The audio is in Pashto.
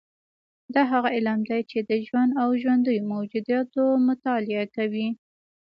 دا هغه علم دی چې د ژوند او ژوندیو موجوداتو مطالعه کوي